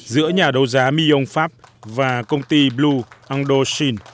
giữa nhà đấu giá miong pháp và công ty blue ando shin